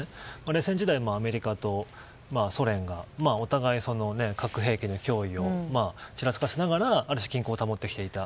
冷戦時代もアメリカとソ連がお互い核兵器の脅威をちらつかせながらある種、均衡を保っていた。